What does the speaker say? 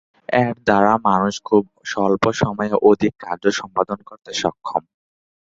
এর দ্বারা মানুষ খুব স্বল্প সময়ে অধিক কার্য সম্পাদন করতে সক্ষম।